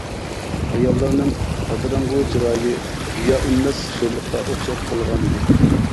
ئاياللارنىڭ تاتىراڭغۇ چىرايى گىياھ ئۈنمەس شورلۇققا ئوخشاپ قالغانىدى.